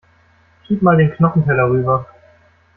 Schieb mal den Knochenteller rüber.